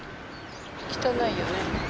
汚いよね。